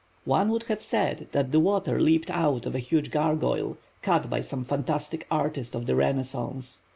One would have said that the water leaped out of a huge gargoyle, cut by some fantastic artist of the Renaissance.